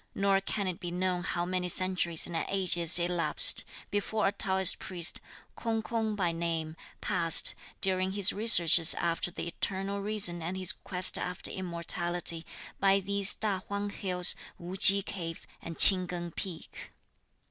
Nor can it be known how many centuries and ages elapsed, before a Taoist priest, K'ung K'ung by name, passed, during his researches after the eternal reason and his quest after immortality, by these Ta Huang Hills, Wu Ch'i cave and Ch'ing Keng Peak.